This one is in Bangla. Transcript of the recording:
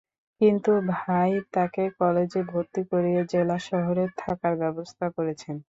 কিন্তু ভাই তাকে কলেজে ভর্তি করিয়ে জেলা শহরে থাকার ব্যবস্থা করেছেন।